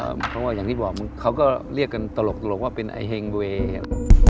เพราะว่าอย่างที่บอกเขาก็เรียกกันตลกว่าเป็นไอเฮงเวย์